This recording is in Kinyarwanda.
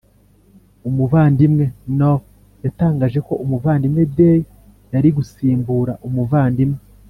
Umuvandimwe knorr yatangaje ko umuvandimwe dey yari gusimbura umuvandimwe